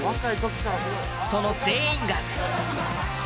その全員が。